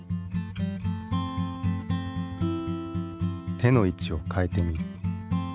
手の位置を変えてみる。